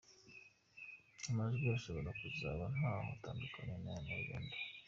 Amajwi ashobora kuzaba ntaho atandukaniye n’aya burundu.